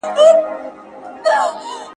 • ډول ئې د ډولزن په لاس ورکړى.